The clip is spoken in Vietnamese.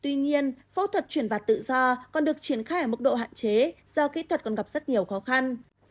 tuy nhiên phẫu thuật chuyển vặt tự do còn được triển khai ở mức độ hạn chế do kỹ thuật còn gặp rất nhiều khó khăn